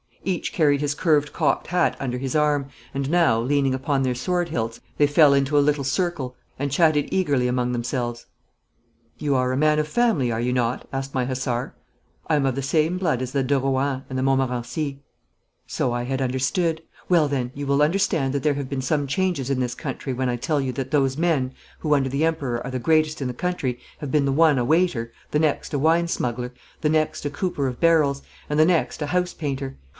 Each carried his curved cocked hat under his arm, and now, leaning upon their sword hilts, they fell into a little circle and chatted eagerly among themselves. 'You are a man of family, are you not?' asked my hussar. 'I am of the same blood as the de Rohans and the Montmorencies.' 'So I had understood. Well, then, you will understand that there have been some changes in this country when I tell you that those men, who, under the Emperor, are the greatest in the country have been the one a waiter, the next a wine smuggler, the next a cooper of barrels, and the next a house painter.